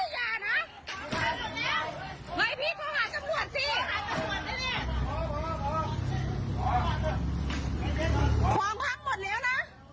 ของพังหมดแล้วนะ